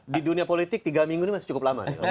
di dunia politik tiga minggu ini masih cukup lama